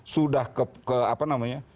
sudah ke apa namanya